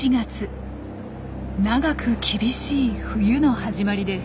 長く厳しい冬の始まりです。